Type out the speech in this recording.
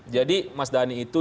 jadi mas dhani itu